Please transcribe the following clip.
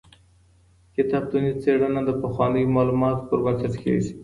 کتابتوني څېړنه د پخوانیو معلوماتو پر بنسټ کیږي.